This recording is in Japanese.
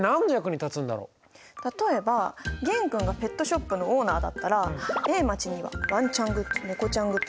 例えば玄君がペットショップのオーナーだったらＡ町にはワンちゃんグッズ